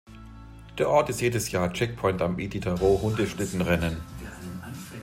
Der Ort ist jedes Jahr Checkpoint am Iditarod-Hundeschlittenrennen.